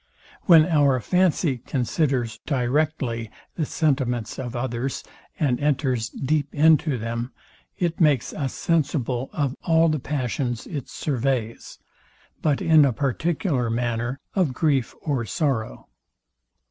When our fancy considers directly the sentiments of others, and enters deep into them, it makes us sensible of all the passions it surveys, but in a particular manner of grief or sorrow.